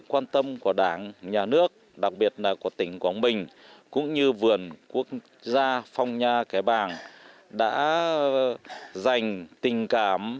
các quan sát của tỉnh quảng bình cũng như vườn quốc gia phong nhà kẻ bàng đã dành tình cảm